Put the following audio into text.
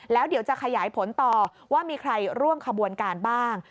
แล้วเดี๋ยวจะขยายผลต่อว่ามีใครร่วมขบวนการบ้าง